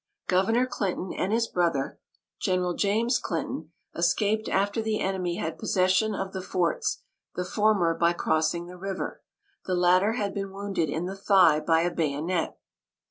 Governor Clinton and his brother, General James Clinton, escaped after the enemy had possession of the forts; the former by crossing the river. The latter had been wounded in the thigh by a bayonet.